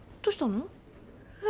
どうしたの？